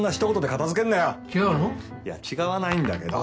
いや違わないんだけど。